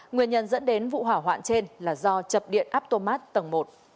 nguyên nhân dẫn đến vụ hỏa hoạn trên là do chập điện aptomat tầng một